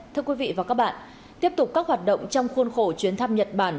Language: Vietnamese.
thưa quý vị và các bạn tiếp tục các hoạt động trong khuôn khổ chuyến thăm nhật bản